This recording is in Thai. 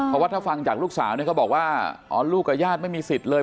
เพราะว่าถ้าฟังจากลูกสาวเนี่ยเขาบอกว่าอ๋อลูกกับญาติไม่มีสิทธิ์เลย